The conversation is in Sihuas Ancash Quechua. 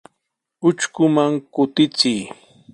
Utrkuman kutichiy.